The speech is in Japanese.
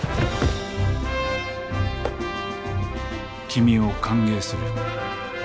君を歓迎する。